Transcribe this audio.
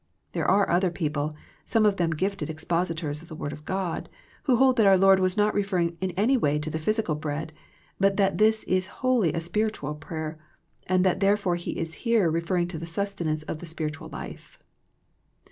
There are other people, some of them gifted expositors of the Word of God, who hold that our Lord was not referring in any way to the physical bread but that this is wholly a spiritual prayer, and that therefore He is here re ferring to the sustenance of the spiritual life.